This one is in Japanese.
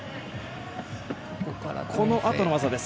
このあとの技です。